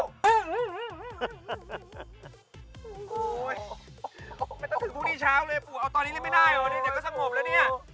ไม่ต้องถึงพรุ่งนี้ช้าเลยอะปุ๊กเอาตอนนี้หรือไม่ได้เดี๋ยวก็สมบบแล้วเนี่ย